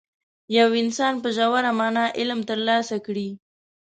یو انسان په ژوره معنا علم ترلاسه کړي.